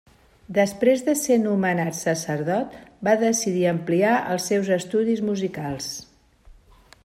Després de ser nomenat sacerdot, va decidir ampliar els seus estudis musicals.